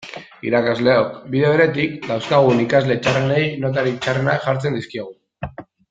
Irakasleok, bide beretik, dauzkagun ikasle txarrenei notarik txarrenak jartzen dizkiegu.